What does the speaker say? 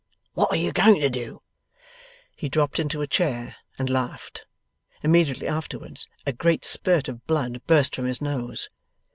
'What are you going to do?' He dropped into a chair, and laughed. Immediately afterwards, a great spirt of blood burst from his nose.